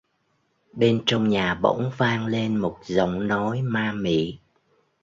Bên trong nhà bỗng vang lên một giọng nói ma mị